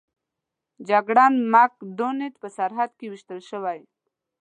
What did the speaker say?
جګړن مک ډانلډ په سرحد کې ویشتل شوی و.